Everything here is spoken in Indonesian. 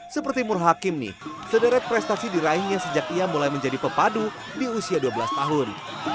seperti murhakim nih sederet prestasi diraihnya sejak ia mulai menjadi pepadu di usia dua belas tahun